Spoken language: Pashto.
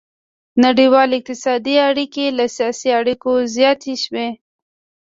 نړیوالې اقتصادي اړیکې له سیاسي اړیکو زیاتې شوې